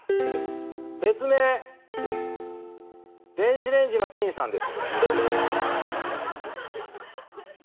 別名、電子レンジのチンさんです。